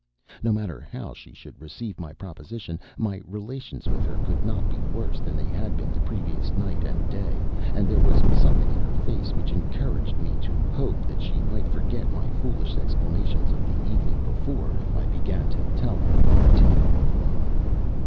No matter how she should receive my proposition, my relations with her could not be worse than they had been the previous night and day, and there was something in her face which encouraged me to hope that she might forget my foolish exclamations of the evening before if I began to tell her my tale of love.